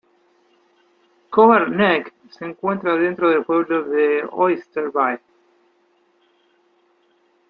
Cover Neck se encuentra dentro del pueblo de Oyster Bay.